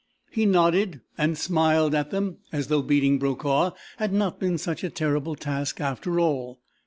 He nodded and smiled at them, as though beating Brokaw had not been such a terrible task after all.